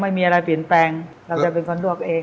ไม่มีอะไรเปลี่ยนแปลงเราจะเป็นคนดวกเอง